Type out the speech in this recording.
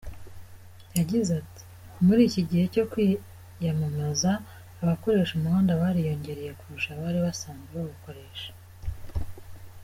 Yagize ati ”Muri iki gihe cyo kwiyamamaza, abakoresha umuhanda bariyongereye kurusha abari basanzwe bawukoresha.